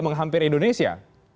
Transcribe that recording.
karena sudah sampai hampir indonesia